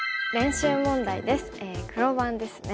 黒番ですね。